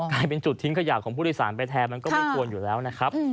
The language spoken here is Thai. มันเป็นจุดทิ้งขยะของผู้โดยสารไปแทนมันก็ไม่ควรอยู่แล้วนะครับ